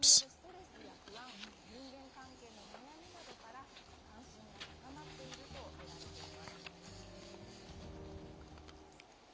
仕事によるストレスや不安人間関係の悩みなどから関心が高まっているとみられています。